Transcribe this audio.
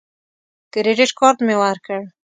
کریډټ کارت مې ورکړ.